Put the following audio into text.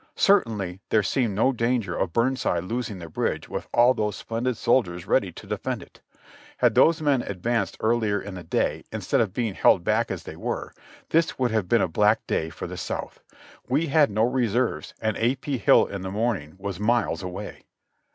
Certainly there seemed no danger of Burnside losing the bridge with all those splendid soldiers ready to defend it. Had those men advanced earlier in the day instead of being held back as they were, this would have been a black day for the South. We had no reserves and A. P. Hill in the morning w^as miles away.